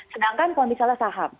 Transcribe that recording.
sedangkan kalau misalnya saham